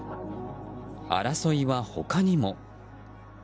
争いは他にも。